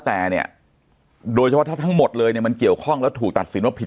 แต่เนี่ยโดยเฉพาะถ้าทั้งหมดเลยเนี่ยมันเกี่ยวข้องแล้วถูกตัดสินว่าผิด